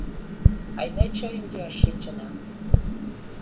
— Айда чайым йӱаш шинчына!